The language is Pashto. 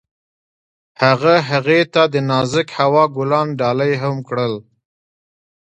هغه هغې ته د نازک هوا ګلان ډالۍ هم کړل.